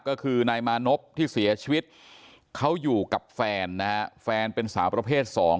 ก็คือนายมานพที่เสียชีวิตเขาอยู่กับแฟนนะฮะแฟนเป็นสาวประเภทสอง